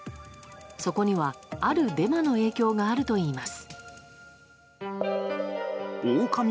そこには、あるデマの影響があるといいます。